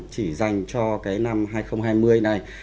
chỉ dành cho cái năm hai nghìn hai mươi này